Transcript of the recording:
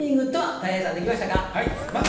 たい平さんできましたか？